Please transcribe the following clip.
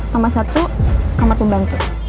tambah satu kamar pembangkit